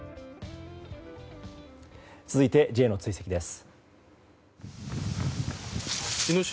続いてＪの追跡です。